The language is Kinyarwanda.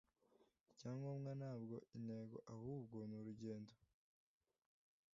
Icyangombwa ntabwo intego ahubwo ni urugendo